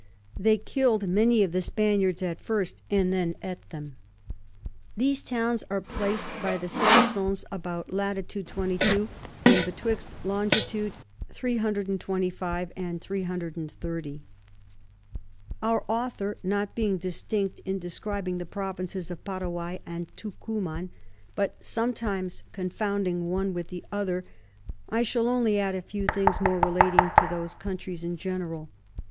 They kill'd many of the Spaniards at first, and then eat them. These Towns are plac'd by the Sansons about Lat. 22. and betwixt Long. 325, and 330. [Sidenote: Account of the River Oronoco.] Our Author not being distinct in describing the Provinces of Paraguay and Tucuman, but sometimes confounding one with the other, I shall only add a few things more relating to those Countries in general.